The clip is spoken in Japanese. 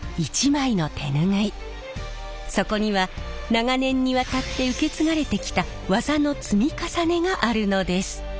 そこには長年にわたって受け継がれてきた技の積み重ねがあるのです。